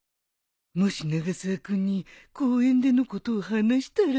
もし永沢君に公園でのことを話したら